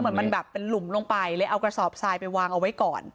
เหมือนมันแบบเป็นหลุมลงไปเลยเอากระสอบทรายไปวางเอาไว้ก่อน